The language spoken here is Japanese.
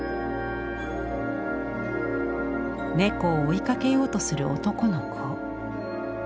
猫を追いかけようとする男の子。